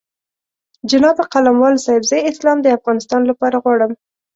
جناب قلموال صاحب زه اسلام د افغانستان لپاره غواړم.